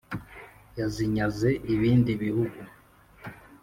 Yazinyaze ibindi bihugu